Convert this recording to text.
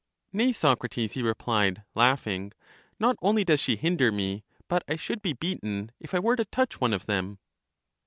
Nay, Socrates, he replied, laughing ; not only does she hinder me, but I should be beaten, if I were to touch one of them.